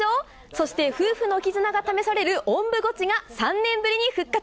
そして夫婦の絆が試される、おんぶゴチが３年ぶりに復活。